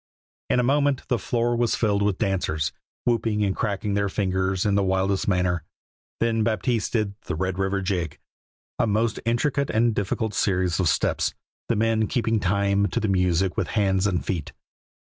In a moment the floor was filled with dancers, whooping and cracking their fingers in the wildest manner. Then Baptiste did the "Red River Jig," a most intricate and difficult series of steps, the men keeping time to the music with hands and feet.